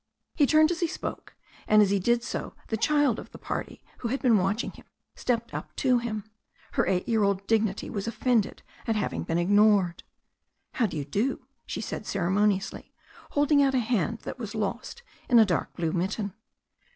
He turned as he spoke, and as he did so the child of the party, who had been watching him, stepped up to him. Her eight year old dignity was offended at having been ignored. "How do you do?" she said ceremoniously, holding out a hand that was lost in a dark blue mitten.